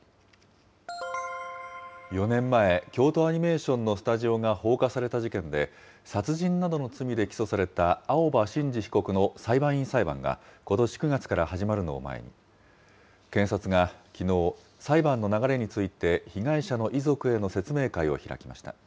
４年前、京都アニメーションのスタジオが放火された事件で、殺人などの罪で起訴された青葉真司被告の裁判員裁判がことし９月から始まるのを前に、検察がきのう、裁判の流れについて、被害者の遺族への説明会を開きました。